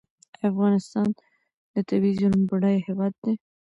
آیا افغانستان د طبیعي زیرمو بډایه هیواد دی؟